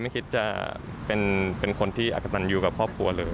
ไม่คิดจะเป็นคนที่อักตันอยู่กับครอบครัวเลย